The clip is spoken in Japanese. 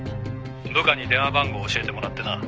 部下に電話番号教えてもらってな」